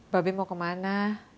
babi mau kemana